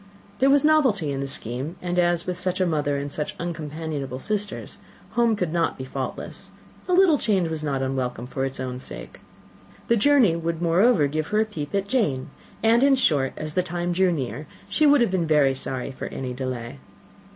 There was novelty in the scheme; and as, with such a mother and such uncompanionable sisters, home could not be faultless, a little change was not unwelcome for its own sake. The journey would, moreover, give her a peep at Jane; and, in short, as the time drew near, she would have been very sorry for any delay.